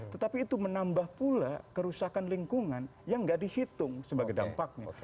tetapi itu menambah pula kerusakan lingkungan yang nggak dihitung sebagai dampaknya